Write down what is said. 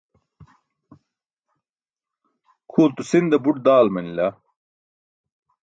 Khuulto sinda buț daal manila.